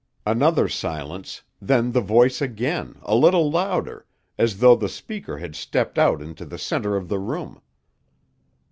Another silence; then the voice again, a little louder, as though the speaker had stepped out into the center of the room.